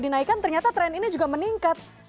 dinaikkan ternyata tren ini juga meningkat